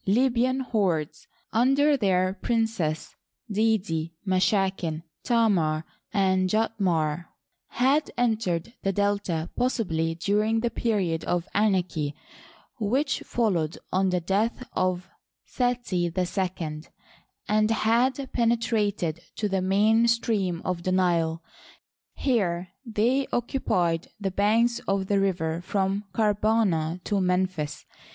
Libyan hordes, under their princes, Didiy Mashaken, Tamar, and Tjautmary had entered the Delta possibly during the period of anarchy which followed on the death of Seti II, and had penetrated to the main stream of the Nile. Here they occupied the banks of the river from Karbana to Memphis.